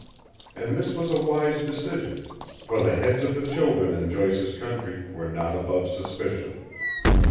And this was a wise decision, for the heads of the children in Joyce's Country were not above suspicion.